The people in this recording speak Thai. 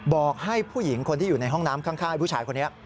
บอกให้ผู้หญิงคนที่อยู่ในห้องน้ำข้างผู้ชายคนนี้